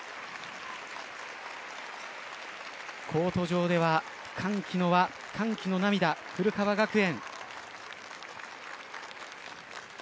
コート上では歓喜の輪歓喜の涙古川学園。